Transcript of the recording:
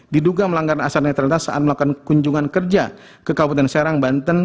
diduga melanggar asas netralitas saat melakukan kunjungan kerja ke kabupaten serang banten